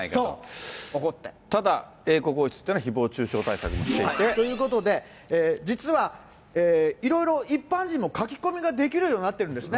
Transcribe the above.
ただ、英国王室というのは、ひぼう中傷対策もしていて。ということで、実はいろいろ一般人も書き込みができるようになってるんですね。